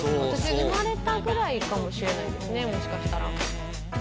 産まれたぐらいかもしれないですね、もしかしたら。